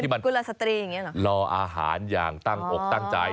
รออาหารอย่างตั้งอกตั้งใจ